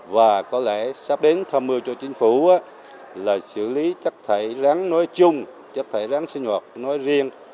và có lẽ sắp đến thăm mưa cho chính phủ là xử lý chắc thải rán nói chung chắc thải rán sinh hoạt nói riêng